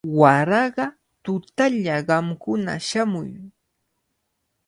Waraqa tutalla qamkuna shamuy.